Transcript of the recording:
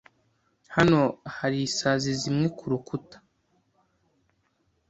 Hano hari isazi zimwe kurukuta.